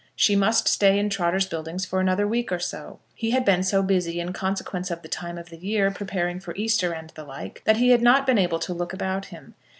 She must stay in Trotter's Buildings for another week or so. He had been so busy, in consequence of the time of the year, preparing for Easter and the like, that he had not been able to look about him.